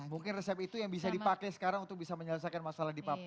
mungkin resep itu yang bisa dipakai sekarang untuk bisa menyelesaikan masalah di papua